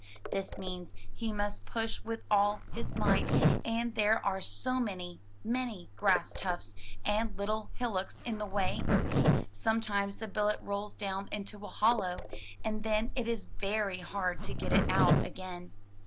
This means he must push with all his might, and there are so many, many grass tufts and little hillocks in the way! Some times the billet rolls down into a hollow, and then it is very hard to get it out again.